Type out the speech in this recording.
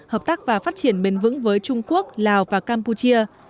hợp tác và phát triển bền vững với trung quốc lào và campuchia